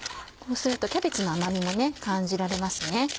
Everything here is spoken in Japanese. こうするとキャベツの甘みも感じられますね。